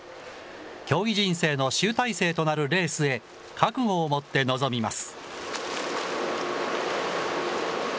競技人生の集大成となるレースへ、覚悟を持って臨みます。